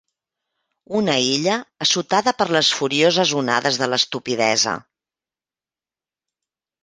Una illa assotada per les furioses onades de l'estupidesa.